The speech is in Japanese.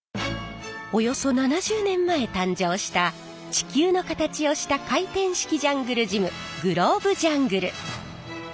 およそ７０年前誕生した地球の形をした回転式ジャングルジムグローブジャングル。